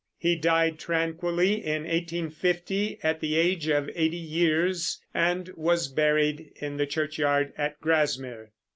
He died tranquilly in 1850, at the age of eighty years, and was buried in the churchyard at Grasmere.